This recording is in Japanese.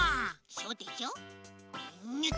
そうでしょ。